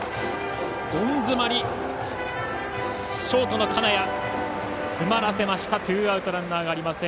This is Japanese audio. ショート、金谷詰まらせました、ツーアウトランナーありません